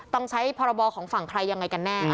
ต้องใช้พรบของฝั่งใครยังไงกันแน่